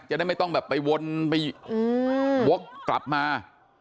จะได้ไม่ต้องแบบไปวนไปวกกลับมา